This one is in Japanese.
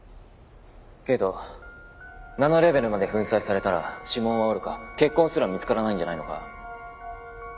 けどナノレベルまで粉砕されたら指紋はおろか血痕すら見つからないんじゃないのか？